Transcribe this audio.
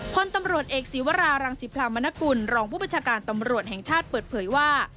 พลตำรวจเอกศีวรารังศิพรามนกุลรองผู้บัญชาการตำรวจแห่งชาติเปิดเผยว่า